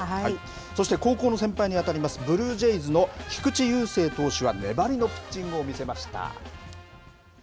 そして高校の先輩に当たります、ブルージェイズの菊池雄星投手は、粘りのピッチングを見せました。